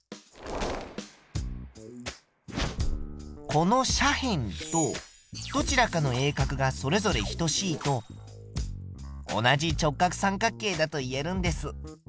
この斜辺とどちらかの鋭角がそれぞれ等しいと同じ直角三角形だと言えるんです。